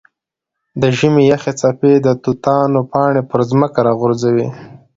د ژمي یخې څپې د توتانو پاڼې پر ځمکه راغورځوي.